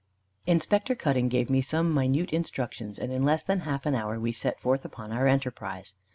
Inspector Cutting gave me some minute instructions, and in less than half an hour we set forth upon our enterprise.